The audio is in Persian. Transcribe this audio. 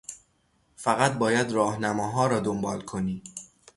فقط باید راهنماها را دنبال کنی.